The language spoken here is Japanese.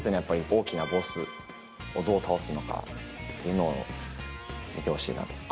大きなボスをどう倒すのかというのを見てほしいなと思います。